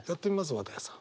綿矢さん。